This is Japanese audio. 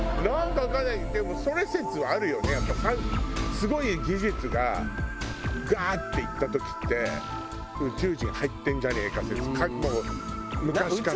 すごい技術がガーッていった時って宇宙人入ってるんじゃねえか説。